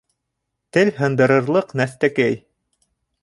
Тел һындырырлыҡ нәҫтәкәй...